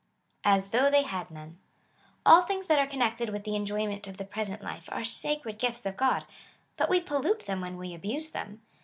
As though they had none. All things that are connected with the enjoyment of the present life are sacred gifts of God, but we pollute them when we abuse them.